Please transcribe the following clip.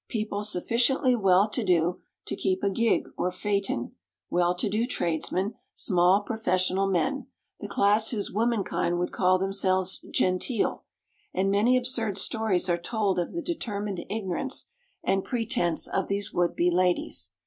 _, people sufficiently well to do to keep a gig or phaeton well to do tradesmen, small professional men, the class whose womenkind would call themselves "genteel," and many absurd stories are told of the determined ignorance and pretense of these would be ladies.